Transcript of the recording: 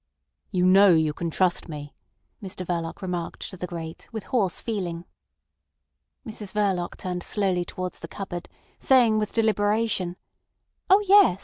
"You know you can trust me," Mr Verloc remarked to the grate, with hoarse feeling. Mrs Verloc turned slowly towards the cupboard, saying with deliberation: "Oh yes.